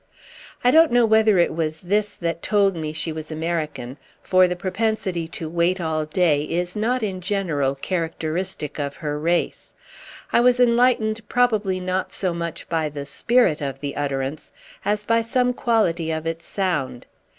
I don't know whether it was this that told me she was American, for the propensity to wait all day is not in general characteristic of her race. I was enlightened probably not so much by the spirit of the utterance as by some quality of its sound.